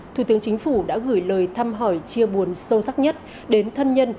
thủ tướng chính phủ đã gửi lời thăm hỏi chia buồn sâu sắc nhất đến thân nhân